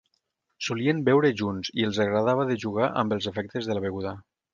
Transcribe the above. Solien beure junts i els agradava de jugar amb els efectes de la beguda.